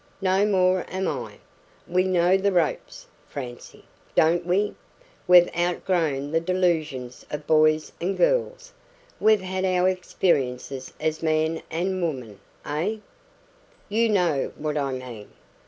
No more am I. We know the ropes, Francie, don't we? We've outgrown the delusions of boys and girls. We've had our experiences as man and woman eh? You know what I mean.